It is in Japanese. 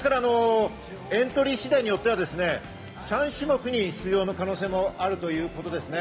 エントリー次第によっては３種目に出場する可能性もあるということですね。